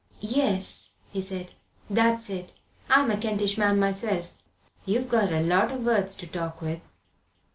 "Yes," he said, "that's it I'm a Kentish man myself. You've got a lot o' words to talk with."